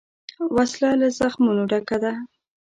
وسله له زخمونو ډکه ده